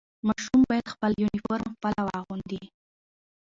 ماشوم باید خپل یونیفرم خپله واغوندي.